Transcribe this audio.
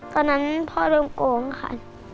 ตอนนั้นพ่อเริ่มโกงค่ะ